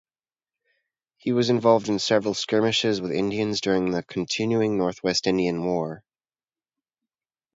He was involved in several skirmishes with Indians during the continuing Northwest Indian War.